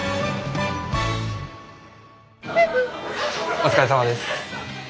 お疲れさまです。